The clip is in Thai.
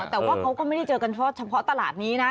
แต่ว่าเขาก็ไม่ได้เจอกันเฉพาะตลาดนี้นะ